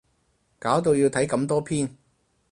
搞到要睇咁多篇